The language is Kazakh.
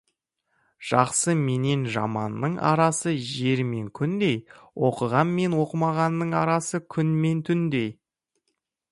Жақсы менен жаманның арасы жер мен күндей, оқыған мен оқымағанның арасы күн мен түндей.